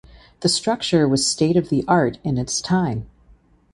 The structure was state of the art in its time.